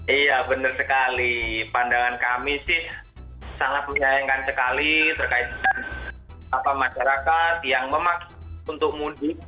iya benar sekali pandangan kami sih sangat menyayangkan sekali terkait dengan masyarakat yang memaksa untuk mudik